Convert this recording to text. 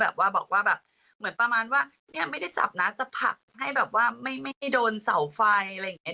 แบบว่าบอกว่าแบบเหมือนประมาณว่าเนี่ยไม่ได้จับนะจะผลักให้แบบว่าไม่ให้โดนเสาไฟอะไรอย่างนี้